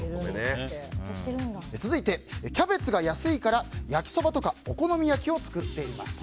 続いて、キャベツが安いから焼きそばとかお好み焼きを作っていますと。